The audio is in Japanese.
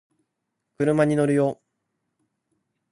車に乗るよ